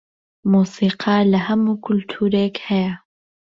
مۆسیقا لەهەموو کولتورێک هەیە